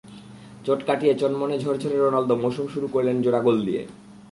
চোট কাটিয়ে চনমনে, ঝরঝরে রোনালদো মৌসুম শুরু করলেন জোড়া গোল দিয়ে।